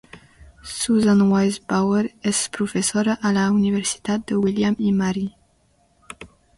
Susan Wise Bauer és professora a la universitat de William i Mary.